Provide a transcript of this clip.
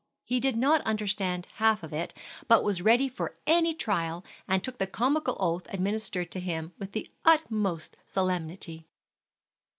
He did not understand half of it, but was ready for any trial, and took the comical oath administered to him with the utmost solemnity.